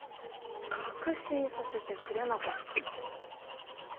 確信させてくれなかったかぁ。